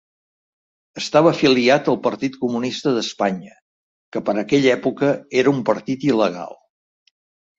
Estava afiliat al Partit Comunista d'Espanya, que per aquella època era un partit il·legal.